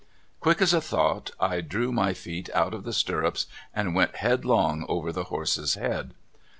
Quick as a thought I drew my feet out of the stirrups, and went headlong over the horse's head.